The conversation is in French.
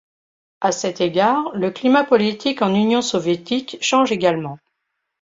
À cet égard, le climat politique en Union soviétique change également.